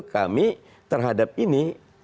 kami terhadap ini